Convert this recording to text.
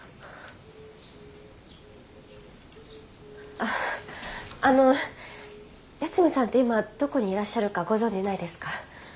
ああの八海さんって今どこにいらっしゃるかご存じないですか？